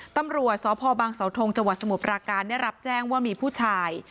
ตำรวจสพบังสาวทรงจสมุปราการรับแจ้งว่ามีผู้ชาย